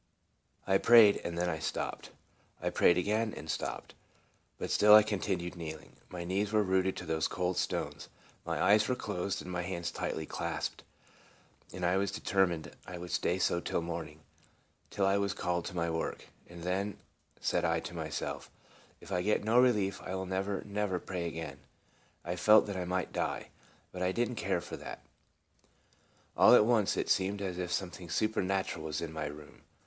I prayed, and then I stopped; I prayed again, and stopped; but still I continued kneeling. My knees were rooted to those cold stones. My eyes were closed, and my hands tightly clasped, and I was determined I would stay so till morning, till I was called THE MORNING BREAKETIL 29 to my work ;" and then," said I to myself, " if I get no relief, I will never, never pray again." I felt that I might die, but I did n't care for that All at once it seemed as if something su pernatural was in my room.